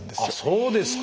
そうですか！